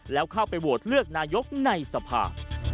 แล้วเข้าไปโหวตเลือกนายกในสภา